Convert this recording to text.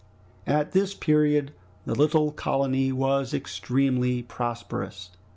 At this period the little colony was extremely prosperous.